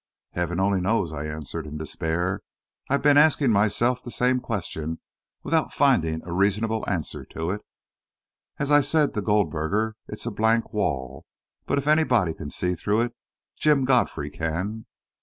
"Heaven only knows," I answered, in despair. "I've been asking myself the same question, without finding a reasonable answer to it. As I said to Goldberger, it's a blank wall. But if anybody can see through it, Jim Godfrey can."